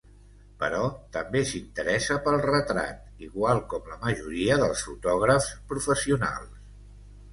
Però també s’interessa pel retrat, igual com la majoria dels fotògrafs professionals.